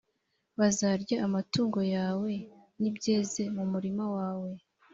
bazarya amatungo yawe n ibyeze mu murima wawe